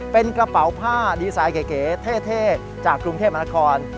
เป็นกระเป๋าผ้าดีไซน์เก๋เท่จากกรุงเทพมนาคม